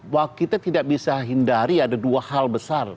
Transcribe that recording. bahwa kita tidak bisa hindari ada dua hal besar